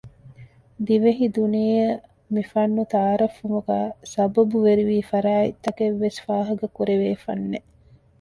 ދިވެހި ދުނިޔެއަށް މިފަންނު ތަޢާރުފްވުމުގައި ސަބަބުވެރިވީ ފަރާތްތަކެއްވެސް ފާހަގަކުރެވޭ ފަންނެއް